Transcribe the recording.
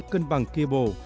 cân bằng kibble